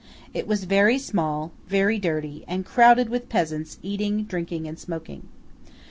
It was very small, very dirty, and crowded with peasants eating, drinking, and smoking.